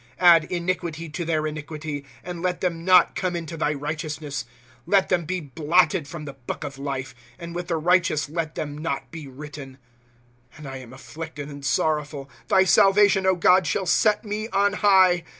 " Add iniquity to their iniquity. And let them not come into thy righteousness. 5f! Let thera be blotted from the book of life, And with the righteous let them not be written. ^® And I am afflicted and sorrowful ; Thy salvation, God, shall set me on high.